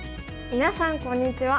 みなさんこんにちは。